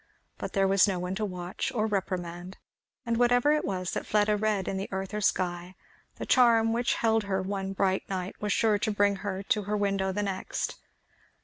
But there was no one to watch or reprimand; and whatever it was that Fleda read in earth or sky, the charm which held her one bright night was sure to bring her to her window the next.